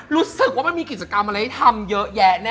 รู้สึกว่ามันมีกิจกรรมอะไรให้ทำเยอะแยะแน่